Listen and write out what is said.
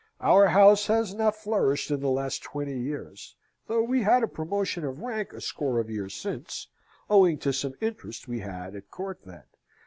"Our house has not flourished in the last twenty years; though we had a promotion of rank a score of years since, owing to some interest we had at court, then.